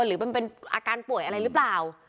หรือมันเป็นอาการป่วยอะไรหรือเปล่า